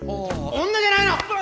女じゃないの！